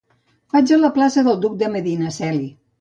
Vaig a la plaça del Duc de Medinaceli.